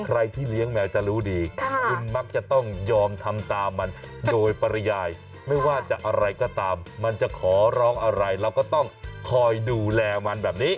ใครที่เลี้ยงแมวจะรู้ดีคุณมักจะต้องยอมทำตามมันโดยปริยายไม่ว่าจะอะไรก็ตามมันจะขอร้องอะไรเราก็ต้องคอยดูแลมันแบบนี้